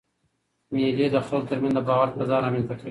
مېلې د خلکو ترمنځ د باور فضا رامنځ ته کوي.